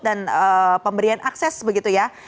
dan pemberian akses begitu ya